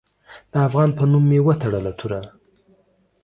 د افغان په نوم مې وتړه توره